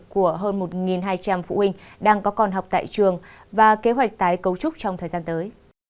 của hơn một hai trăm linh phụ huynh đang có con học tại trường và kế hoạch tái cấu trúc trong thời gian tới